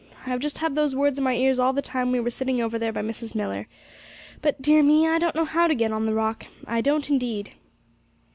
I've just had those words in my ears all the time we were sitting over there by Mrs. Millar. But, dear me, I don't know how to get on the Rock; I don't indeed.'